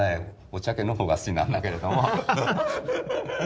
おちゃけの方が好きなんだけれども。